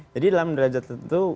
jadi dalam derajat tentu